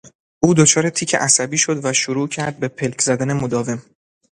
او دچار تیک عصبی شد و شروع کرد به پلک زدن مداوم.